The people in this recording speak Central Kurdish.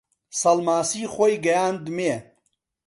سەڵماسی خۆی گەیاندمێ